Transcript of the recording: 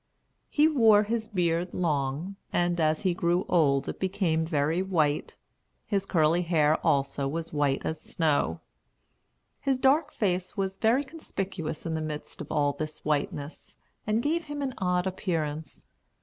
He wore his beard long, and as he grew old it became very white; his curly hair also was white as snow. His dark face was very conspicuous in the midst of all this whiteness, and gave him an odd appearance.